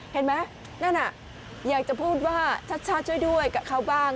เห็นไหมนั่นอยากจะพูดว่าชัดชาติช่วยด้วยกับเขาบ้าง